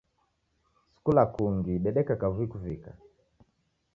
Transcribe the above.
Si kula kungi, dedeka kavui kuvika.